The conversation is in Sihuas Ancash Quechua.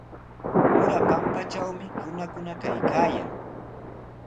Ura pampatrawmi runakuna kaykaayan.